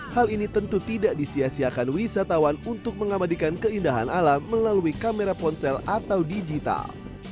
hal ini tentu tidak disiasiakan wisatawan untuk mengabadikan keindahan alam melalui kamera ponsel atau digital